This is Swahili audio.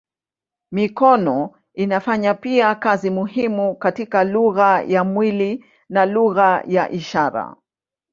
Mikono inafanya pia kazi muhimu katika lugha ya mwili na lugha ya ishara.